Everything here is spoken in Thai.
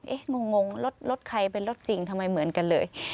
งงรถใครเป็นรถจริงทำไมเหมือนกันเลย